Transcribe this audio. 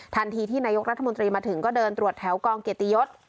ทันทีที่นายกรัฐมนตรีมาถึงก็เดินตรวจแถวกองเกียรติยศ